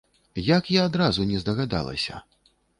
Як я адразу не здагадалася!?